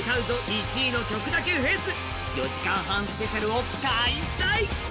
１位の曲だけフェス４時間半スペシャルを開催